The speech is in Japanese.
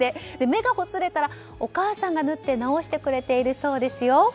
目がほつれたらお母さんが縫って直してくれているそうですよ。